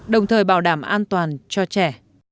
đồng thời bảo đảm an toàn cho trẻ